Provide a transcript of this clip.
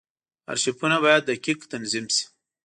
ارشیفونه باید دقیق تنظیم شي.